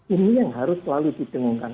ini yang harus selalu didengungkan